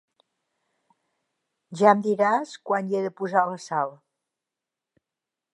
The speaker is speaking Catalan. Ja em diràs quan hi he de posar la sal